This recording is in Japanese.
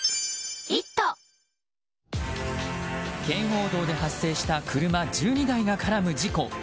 圏央道で発生した車１２台が絡む事故。